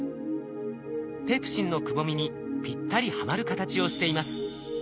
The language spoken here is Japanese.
ペプシンのくぼみにぴったりはまる形をしています。